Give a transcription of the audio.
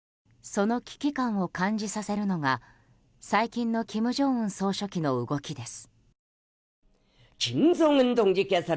その危機感を感じさせるのが最近の金正恩総書記の動きです。